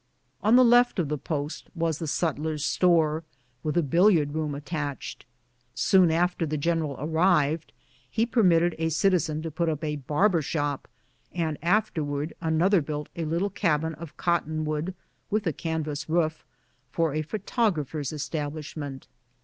On the left of the post was the sutler's store, with a billiard room attached. Soon after the general arrived he permitted a citizen to put up a barber shop, and afterwards another built a little cabin of cotton wood, with canvas roof for a pho tographer's establishment.